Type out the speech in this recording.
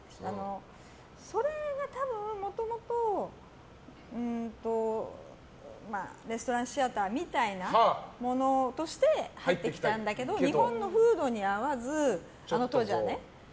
それは多分、もともとレストランシアターみたいなものとして入ってきたんだけど日本の風土に合わずあの当時はね。